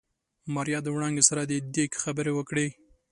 ماريا د وړانګې سره د ديګ خبرې وکړې.